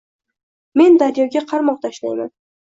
Men daryoga qarmoq tashlayman